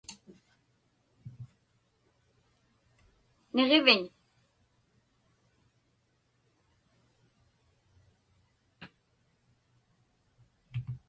Niġiviñ?